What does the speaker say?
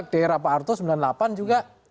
di era pak arto sembilan puluh delapan juga